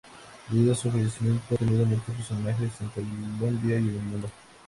Debido a su fallecimiento ha tenido múltiples homenajes en Colombia y en el mundo.